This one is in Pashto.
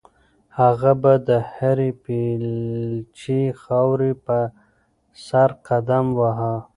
هغه به د هرې بیلچې خاورې په سر قدم واهه.